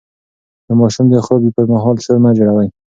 د ماشوم د خوب پر مهال شور مه جوړوئ.